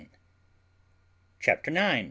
CHAPTER IX.